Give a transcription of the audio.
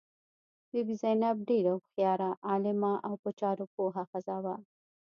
بي بي زینب ډېره هوښیاره، عالمه او په چارو پوه ښځه وه.